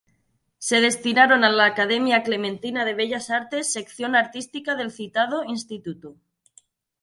Se destinaron a la Academia Clementina de Bellas Artes, sección artística del citado Instituto.